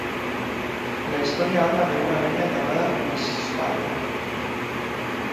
La historia habla de una araña llamada Miss Spider.